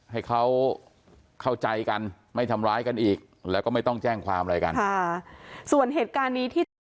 ให้เขาเข้าใจกันไม่ทำร้ายกันอีกแล้วก็ไม่ต้องแจ้งความอะไรกัน